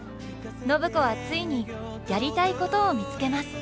暢子はついにやりたいことを見つけます。